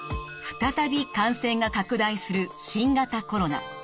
再び感染が拡大する新型コロナ。